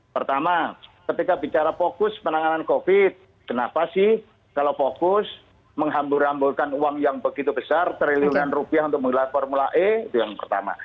pertama ketika bicara fokus penanganan covid kenapa sih kalau fokus menghambur hamburkan uang yang begitu besar triliunan rupiah untuk menggelar formula e itu yang pertama